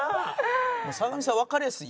坂上さんわかりやすい。